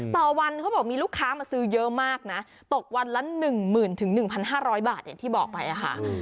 ต่อวันเขาบอกมีลูกค้ามาซื้อเยอะมากนะตกวันละ๑๐๐๐๑๕๐๐บาทอย่างที่บอกไปค่ะ